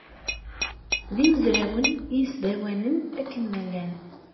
D imezrawen isdawanen akken ma llan.